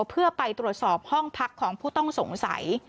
เพื่อไปตรวจสอบห้องพักของผู้ต้องสงสัย